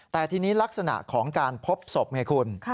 แต่ทีนี้ลักษณะของการพบศพไงคุณ